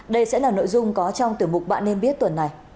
đây sẽ là nội dung có trong tiểu mục bạn nên biết tuần này